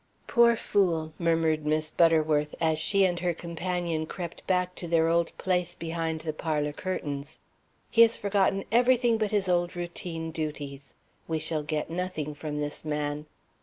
"Poor fool!" murmured Miss Butterworth as she and her companion crept back to their old place behind the parlor curtains, "he has forgotten everything but his old routine duties. We shall get nothing from this man."